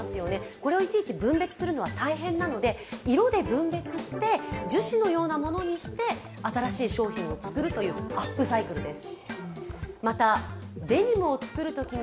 これをいちいち分別するのは大変なので色で分別して樹脂のようなものにして、新しい商品を作るというアップサイクルです。